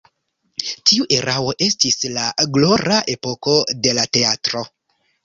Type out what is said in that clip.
Tiu erao estis la glora epoko de la teatro.